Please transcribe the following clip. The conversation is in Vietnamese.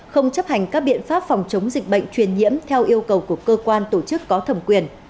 không chấp hành các biện pháp phòng chống dịch bệnh truyền nhiễm theo yêu cầu của cơ quan tổ chức có thẩm quyền